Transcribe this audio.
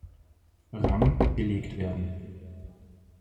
Rang, belegt werden.